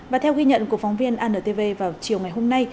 và theo ghi nhận của phóng viên antv vào chiều ngày hôm nay